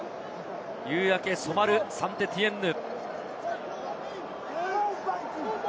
夕焼け染まるサンテティエンヌ。